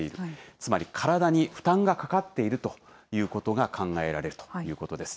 つまり体に負担がかかっているということが考えられるということです。